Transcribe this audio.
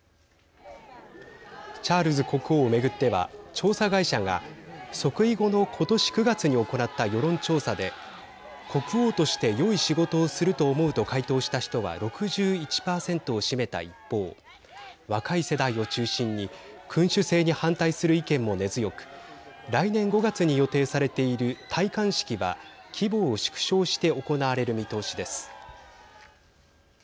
チャールズ国王を巡っては調査会社が即位後の今年９月に行った世論調査で国王としてよい仕事をすると思うと回答した人は６１％を占めた一方若い世代を中心に君主制に反対する意見も根強く来年５月に予定されている戴冠式は規模を縮小して行われる見通しです。